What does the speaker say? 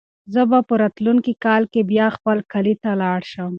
زه به په راتلونکي کال کې بیا خپل کلي ته لاړ شم.